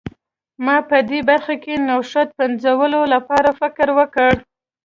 ما په دې برخه کې نوښت پنځولو لپاره فکر وکړ.